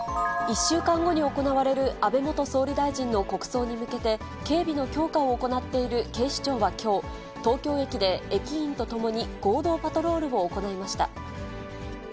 １週間後に行われる安倍元総理大臣の国葬に向けて、警備の強化を行っている警視庁はきょう、東京駅で駅員と共に合同パトロールを行いました。